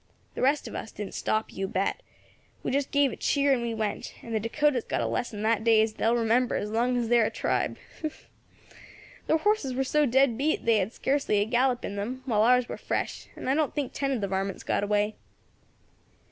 The rest of us didn't stop, you bet; we just gave a cheer and on we went, and the Dacotas got a lesson that day as they will remember as long as they are a tribe. Their horses were so dead beat they had scarcely a gallop in them, while ours were fresh, and I don't think ten of the varmints got away.